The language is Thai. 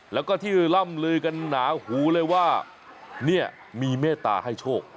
แล้วก็ที่ร่ำลือกันหนาหูเลยว่าเนี่ยมีเมตตาให้โชค